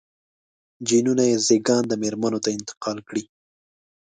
جینونه یې زېږنده مېرمنو ته انتقال کړي.